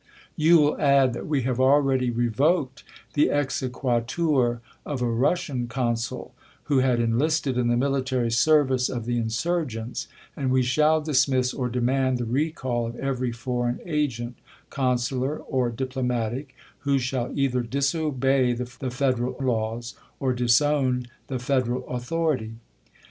You will add that we have already revoked the exequatur of a Russian Consul who had enlisted in the Military service of the insurgents, and we shall dismiss or demand the recall of every foreign agent, Consular or Diplomatic, who shall either disobey the Federal laws or disown the Federal authoritv.